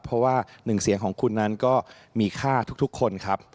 เพราะว่าหนึ่งเสียงของคุณนั้นก็มีค่าทุกคนครับ